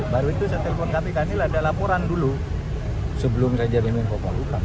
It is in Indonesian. baru itu saya telepon kpk ini ada laporan dulu sebelum saya jadi menko polhukam